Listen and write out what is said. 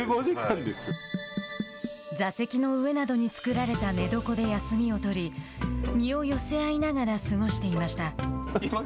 座席の上などに作られた寝床で休みを取り身を寄せ合いながら過ごしていました。